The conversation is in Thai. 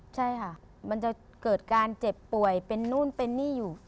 ใช่ค่ะมันจะเกิดการเจ็บป่วยเป็นนู่นเป็นนี่อยู่